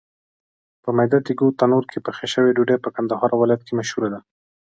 په میده تېږو تنور کې پخه شوې ډوډۍ په کندهار ولایت کې مشهوره ده.